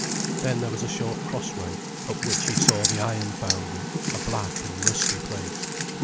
Then there was a short cross way, up which one saw the iron foundry, a black and rusty place.